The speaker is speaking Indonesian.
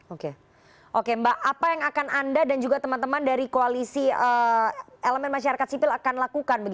oke oke mbak apa yang akan anda dan juga teman teman dari koalisi elemen masyarakat sipil akan lakukan